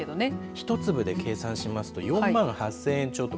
１粒で計算しますと４万８０００円ちょっと。